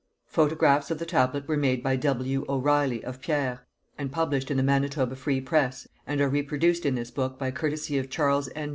Photographs of the tablet were made by W. O'Reilly of Pierre and published in the Manitoba Free Press and are reproduced in this book by courtesy of Charles N.